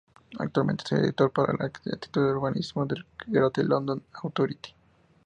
Actualmente, es el director para la arquitectura y el urbanismo del "Greater London Authority".